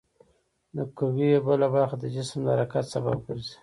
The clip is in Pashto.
د قوې بله برخه د جسم د حرکت سبب ګرځي.